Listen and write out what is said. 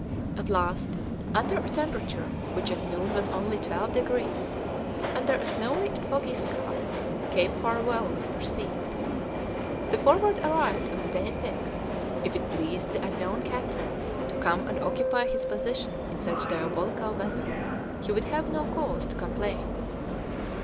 At last, under a temperature which at noon was only 12 degrees, under a snowy and foggy sky, Cape Farewell was perceived. The Forward arrived on the day fixed; if it pleased the unknown captain to come and occupy his position in such diabolical weather he would have no cause to complain.